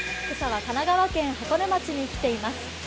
今朝は神奈川県箱根町に来ています。